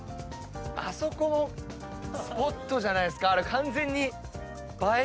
あそこもスポットじゃないですか完全に映え